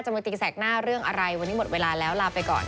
มาตีแสกหน้าเรื่องอะไรวันนี้หมดเวลาแล้วลาไปก่อน